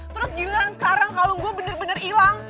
terus giliran sekarang kalau gue bener bener hilang